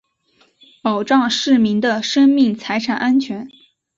保障市民的生命财产安全